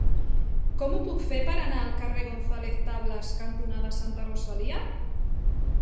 Com ho puc fer per anar al carrer González Tablas cantonada Santa Rosalia?